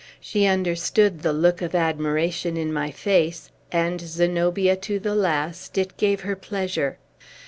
She understood the look of admiration in my face; and Zenobia to the last it gave her pleasure.